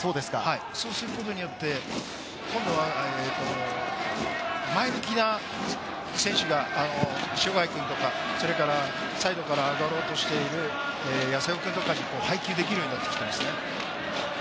そうすることによって今度は前向きな選手が、塩貝君とか、サイドから上がろうとしている八瀬尾君とかにも配球できるようになってきていますね。